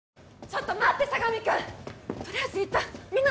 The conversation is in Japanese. ちょっと待って佐神くん